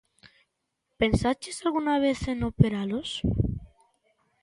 _¿Pensaches algunha vez en operalos?